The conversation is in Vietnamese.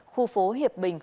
khu phố hiệp bình